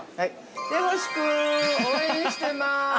◆手越君、応援してます。